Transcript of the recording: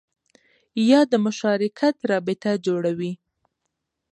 یا د مشارکت رابطه جوړوي